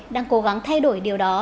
đang cố gắng thay đổi điều đó